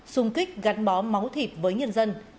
xung kích gắn bó máu thịt với nhân dân